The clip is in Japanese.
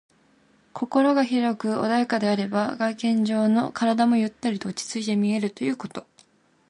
心が広く穏やかであれば、外見上の体もゆったりと落ち着いて見えるということ。